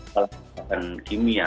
kalau dimakan kimia